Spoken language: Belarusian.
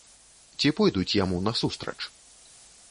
Ці пойдуць яму насустрач?